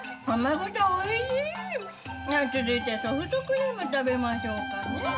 続いてソフトクリーム食べましょうかね。